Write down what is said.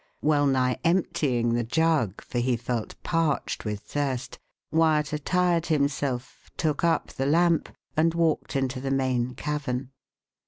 Well nigh emptying the jug, for he felt parched with thirst, Wyat attired himself, took up the lamp, and walked into the main cavern.